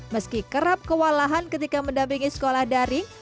meski kerap kewalahan ketika mendampingi sekolah daring